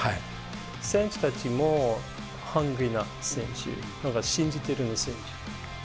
選手たちも、ハングリーな選手、信じてるんですよ。